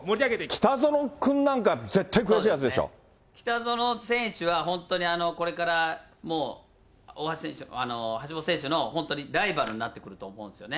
北園君なんか、北園選手は、本当にこれから、もう橋本選手の本当にライバルになってくると思うんですよね。